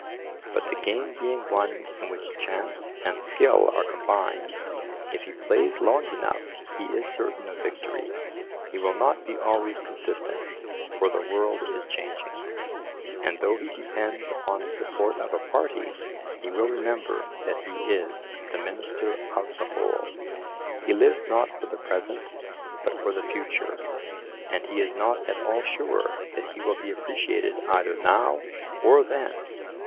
But the game being one in which chance and skill are combined, if he plays long enough he is certain of victory. He will not be always consistent, for the world is changing; and though he depends upon the support of a party, he will remember that he is the minister of the whole. He lives not for the present, but for the future, and he is not at all sure that he will be appreciated either now or then.